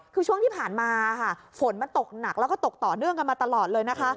คือช่วงที่ผ่านมาค่ะฝนมันตกหนักแล้วก็ตกต่อเนื่องกันมาตลอดเลยนะคะ